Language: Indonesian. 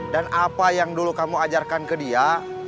dan apa yang dulu kamu ajarkan ke dia